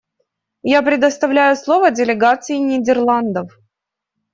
Я предоставляю слово делегации Нидерландов.